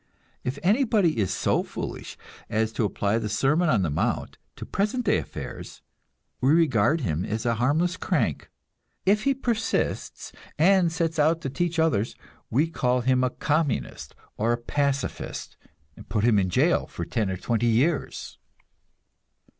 If anybody is so foolish as to apply the Sermon on the Mount to present day affairs, we regard him as a harmless crank; if he persists, and sets out to teach others, we call him a Communist or a Pacifist, and put him in jail for ten or twenty years.